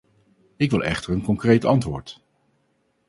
Ik wil echter een concreet antwoord.